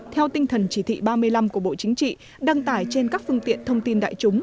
theo tinh thần chỉ thị ba mươi năm của bộ chính trị đăng tải trên các phương tiện thông tin đại chúng